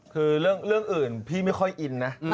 คือเรื่องอื่นพี่ไม่ค่อยอินนะ